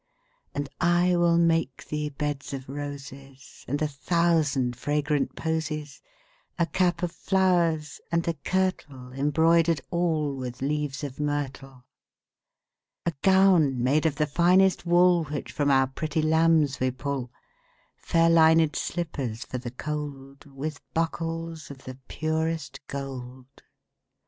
And I will make thee beds of roses And a thousand fragrant posies; 10 A cap of flowers, and a kirtle Embroider'd all with leaves of myrtle. A gown made of the finest wool Which from our pretty lambs we pull; Fair linèd slippers for the cold, 15 With buckles of the purest gold.